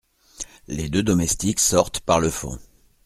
Les deux domestiques sortent par le fond.